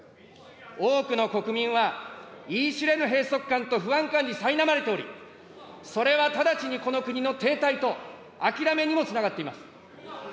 多くの国民は言い知れぬ閉塞感と不安感にさいなまれており、それが直ちにこの国の停滞と、諦めにもつながっています。